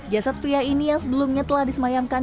jasad pria ini yang sebelumnya telah disemayamkan